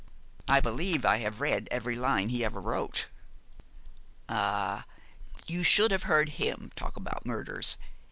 'I believe I have read every line he ever wrote.' 'Ah, you should have heard him talk about murders.